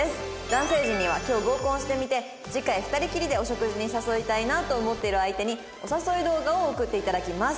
男性陣には今日合コンしてみて次回２人きりでお食事に誘いたいなと思っている相手にお誘い動画を送っていただきます。